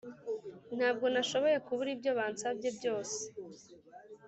ntabwo nashoboye kubura ibyo basabye byose